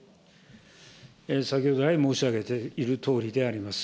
先ほど来、申し上げているとおりであります。